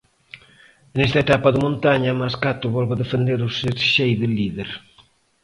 E nesta etapa de montaña, Mascato volve defender o xersei de líder.